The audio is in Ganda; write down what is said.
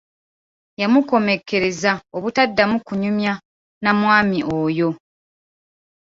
Yamukomekkereza obutaddamu kunyumya na mwami oyo.